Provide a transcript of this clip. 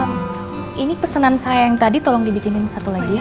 hmm ini pesanan saya yang tadi tolong dibikinin satu lagi ya